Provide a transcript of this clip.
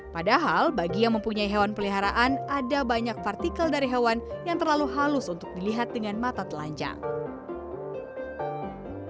padahal bagi yang mempunyai hewan peliharaan ada banyak partikel dari hewan yang terlalu halus untuk dilihat dengan mata telanjang